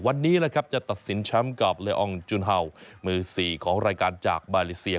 วันนี้นะครับจะตัดสินแชมป์กับเลอองจุนเฮามือ๔ของรายการจากมาเลเซีย